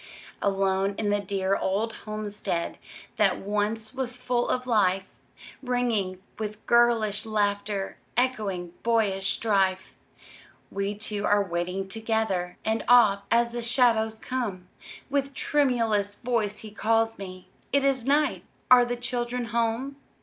Alone in the dear old homestead That once was full of life, Ringing with girlish laughter, Echoing boyish strife, We two are waiting together; And oft, as the shadows come, With tremulous voice he calls me, "It is night! are the children home?"